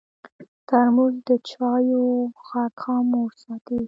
ترموز د چایو غږ خاموش ساتي.